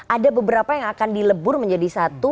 ada beberapa yang akan dilebur menjadi satu